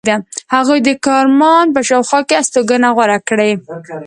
هغوی د کرمان په شاوخوا کې استوګنه غوره کړې.